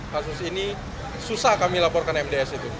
kasus ini susah kami laporkan mds itu